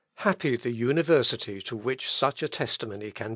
" Happy the university to which such a testimony can be given.